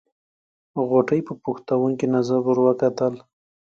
غوټۍ په پوښتونکې نظر ور وکتل.